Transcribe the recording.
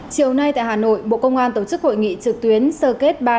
chiều nay tại hà nội bộ công an tổ chức hội nghị trực tuyến sơ kết ba